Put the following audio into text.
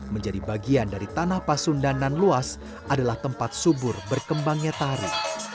menjadi bagian dari tanah pasundanan luas adalah tempat subur berkembangnya tari